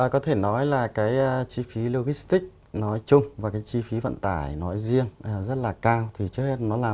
có thể nói là chi phí logistic nói chung và chi phí vận tải nói riêng rất là cao